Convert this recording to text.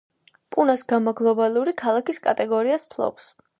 პუნას გამა გლობალური ქალაქის კატეგორიას ფლობს.